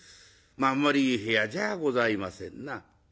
あんまりいい部屋じゃございませんな。